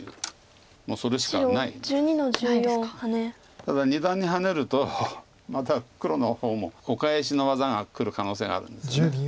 ただ二段にハネるとまた黒の方もお返しの技がくる可能性があるんですよね。